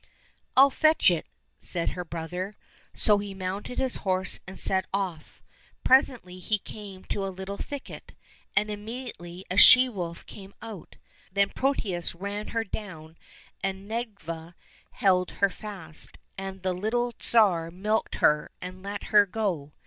—" I'll fetch it," said her brother. So he mounted his horse and set off. Presently he came to a little thicket, and immediately a she wolf came out. Then Protius ran her down and Nedviga held her fast, and the little Tsar milked her and let her go.